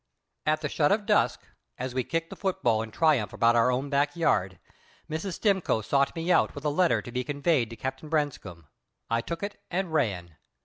At the shut of dusk, as we kicked the football in triumph about our own back yard, Mrs. Stimcoe sought me out with a letter to be conveyed to Captain Branscome. I took it and ran.